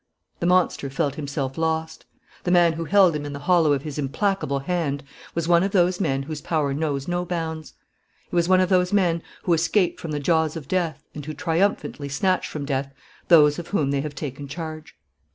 The monster felt himself lost. The man who held him in the hollow of his implacable hand was one of those men whose power knows no bounds. He was one of those men who escape from the jaws of death and who triumphantly snatch from death those of whom they have taken charge.